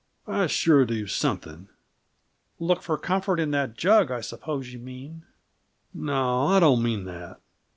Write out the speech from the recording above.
I'd sure do something!" "Look for comfort in that jug, I suppose you mean?" "No, I don't mean that."